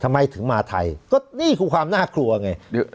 ทำไมถึงมาไทยก็นี่คือความน่ากลัวไง